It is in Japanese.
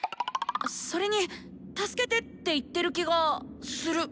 それに「助けて」って言ってる気がする！